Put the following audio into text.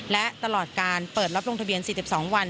และตลอดการเปิดรับลงทะเบียน๔๒วัน